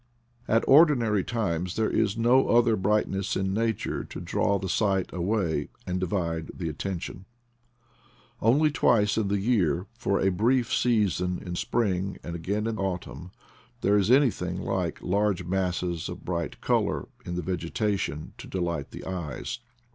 At ordinary times there is no other brightness in nature to draw the sight away and divide the attention. Only twice in the year, for a brief season in spring and again in autumn, there is anything like large masses of bright color in the vegetation to delight the eyes.